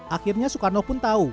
akhirnya soekarno pun tahu